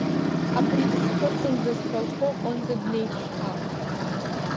Абри дысԥырҵындаз ҳәа лҳәо аҟынӡа днеит шьҭа.